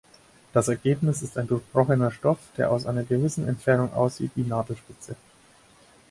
Das Ergebnis ist ein durchbrochener Stoff, der aus einer gewissen Entfernung aussieht wie Nadelspitze.